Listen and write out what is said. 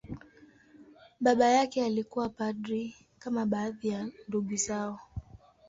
Baba yake alikuwa padri, kama baadhi ya ndugu zao.